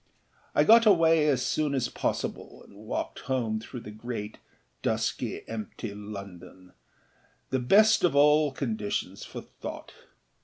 I got away as soon as possible, and walked home through the great dusky, empty Londonâthe best of all conditions for thought.